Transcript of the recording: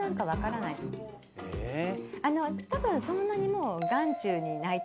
多分そんなにもう。